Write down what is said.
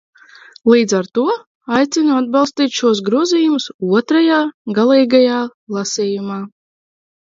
Līdz ar to aicinu atbalstīt šos grozījumus otrajā, galīgajā, lasījumā!